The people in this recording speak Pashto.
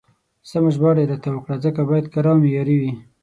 سمه ژباړه يې راته وکړه، ځکه بايد کره او معياري وي.